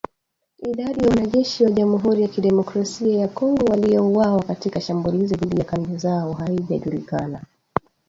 Idadi ya wanajeshi wa jamuhuri ya kidemokrasai ya Kongo waliouawa katika shambulizi dhidi ya kambi zao haijajulikana